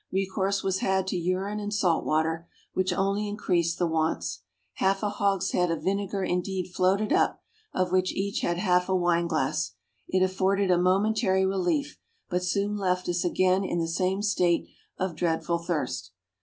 Recourse was had to urine and salt water, which only increased the wants; half a hogshead of vinegar indeed floated up, of which each had half a wine glass; it afforded a momentary relief, but soon left us again in the same state of dreadful thirst.